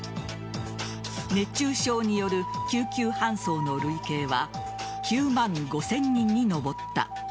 熱中症による救急搬送の累計は９万５０００人に上った。